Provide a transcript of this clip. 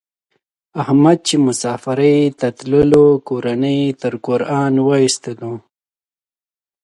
احمد چې مسافرۍ ته تللو کورنۍ یې تر قران و ایستلا.